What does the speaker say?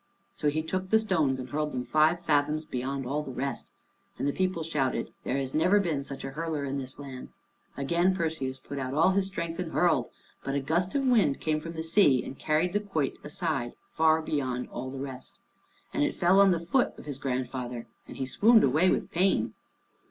So he took the stones and hurled them five fathoms beyond all the rest. And the people shouted, "There has never been such a hurler in this land!" Again Perseus put out all his strength and hurled. But a gust of wind came from the sea and carried the quoit aside, far beyond all the rest. And it fell on the foot of his grandfather, and he swooned away with the pain.